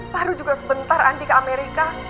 baru juga sebentar andi ke amerika